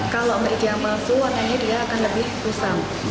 kalau merica palsu warnanya dia akan lebih kusam